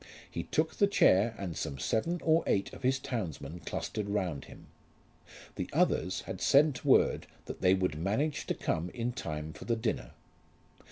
He took the chair and some seven or eight of his townsmen clustered round him. The others had sent word that they would manage to come in time for the dinner.